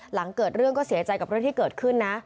หลังเกิดเรื่องก็เสียใจกับเรื่องที่เกิดขึ้นนะ